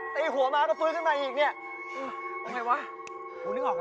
แต่อีกหัวมากก็ฟื้นขึ้นมาอีกเนี่ย